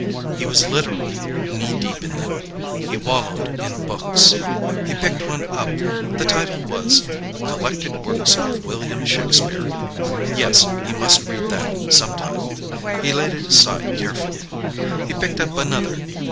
He was literally knee deep in them, he wallowed in books. He picked one up. The title was "Collected Works of William Shakespeare." Yes, he must read that, sometime. He laid it aside carefully. He picked up another.